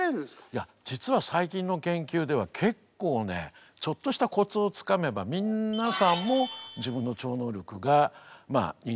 いや実は最近の研究では結構ねちょっとしたコツをつかめば皆さんも自分の超能力が認識できる。